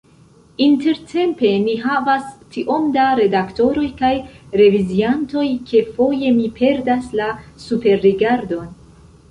Intertempe ni havas tiom da redaktoroj kaj reviziantoj, ke foje mi perdas la superrigardon.